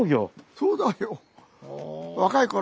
そうだよ。